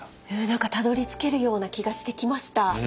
何かたどりつけるような気がしてきました。